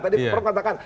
tadi perut katakan